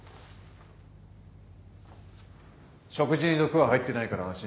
食事に毒は入ってないから安心しろ。